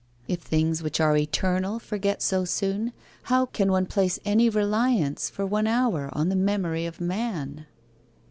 If things which are eternal forget so soon, can one place any reliance for one hour on the memory of man?